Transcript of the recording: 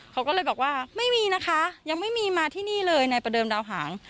เขาก็เลยบอกว่าไม่มีนะคะยังไม่มีมาที่นี่เลยในประเดิมดาวหาง